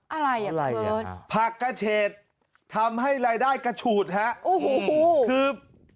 อะไรอ่ะพี่เบิร์ตผักกระเฉดทำให้รายได้กระฉูดฮะโอ้โหคือ